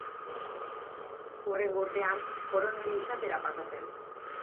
Hurrengo urtean, koronel izatera pasa zen.